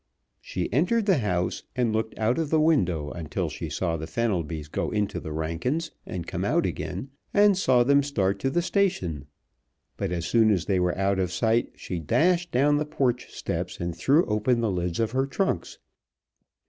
She entered the house, and looked out of the window until she saw the Fenelbys go into the Rankins' and come out again, and saw them start to the station, but as soon as they were out of sight she dashed down the porch steps and threw open the lids of her trunks.